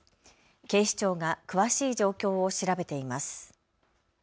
警視庁が詳しい状況を調べています。